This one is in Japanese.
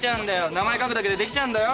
名前書くだけでできちゃうんだよ。